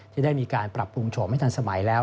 ที่ได้มีการปรับปรุงโฉมให้ทันสมัยแล้ว